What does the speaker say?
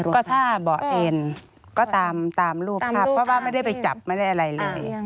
ก็ถ้าเบาะเอ็นก็ตามรูปภาพเพราะว่าไม่ได้ไปจับไม่ได้อะไรเลย